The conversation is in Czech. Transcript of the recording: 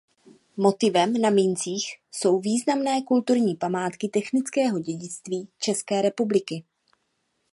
Motivem na mincích jsou významné kulturní památky technického dědictví České republiky.